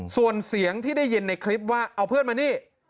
ส่วนเสียงที่ได้ยินในคลิปว่าเอาเพื่อนมานี่